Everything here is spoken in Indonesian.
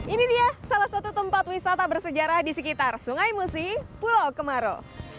ini dia salah satu tempat wisata bersejarah di sekitar sungai musi pulau kemaro